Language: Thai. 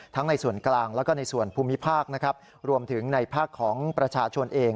ทั้งในส่วนกลางและส่วนภูมิภาครวมถึงในภาคของประชาชนเอง